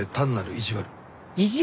意地悪？